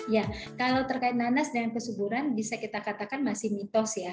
ya kalau terkait nanas dan kesuburan bisa kita katakan masih mitos ya